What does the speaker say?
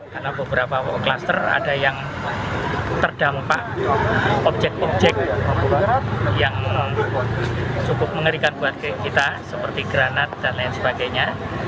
karena beberapa klaster ada yang terdampak objek objek yang cukup mengerikan buat kita seperti granat dan lain sebagainya